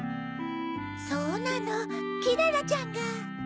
そうなのキララちゃんが。